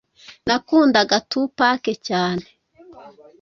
nakundaga tupac cyane